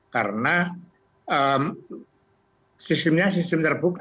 karena sistemnya sistem terbuka